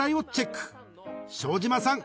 ［庄島さん